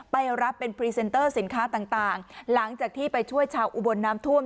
ไปรับเป็นพรีเซนเตอร์สินค้าต่างหลังจากที่ไปช่วยชาวอุบลน้ำท่วม